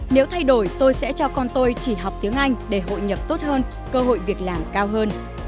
nếu thay đổi tôi sẽ cho con tôi chỉ học tiếng anh để hội nhập tốt hơn cơ hội việc làm cao hơn